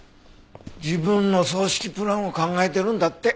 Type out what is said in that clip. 自分の葬式プランを考えてるんだって。